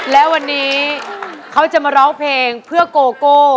แล้ววันนี้เขาจะมาร้องเพลงเพื่อโกโก้